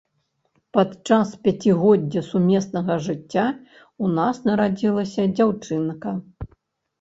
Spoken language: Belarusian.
Падчас пяцігоддзя сумеснага жыцця ў нас нарадзілася дзяўчынка.